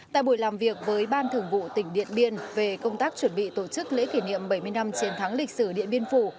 tại buổi làm việc với ban thường vụ tỉnh điện biên về công tác chuẩn bị tổ chức lễ kỷ niệm bảy mươi năm chiến thắng lịch sử điện biên phủ